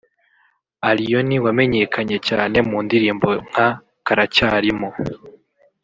Allioni wamenyekanye cyane mu ndirimbo nka Karacyarimo